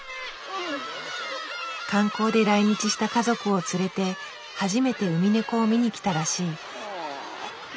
観光で来日した家族を連れて初めてウミネコを見に来たらしい。